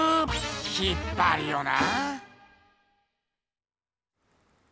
引っぱるよな。